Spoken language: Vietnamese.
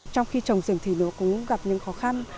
trong khi trồng rừng thì nó cũng gặp những khó khăn